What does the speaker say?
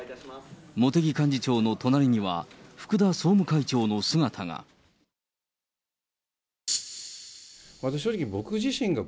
茂木幹事長の隣には、福田総務会長の姿が。